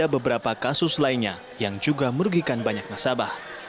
ada beberapa kasus lainnya yang juga merugikan banyak nasabah